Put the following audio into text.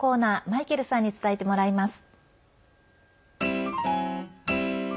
マイケルさんに伝えてもらいます。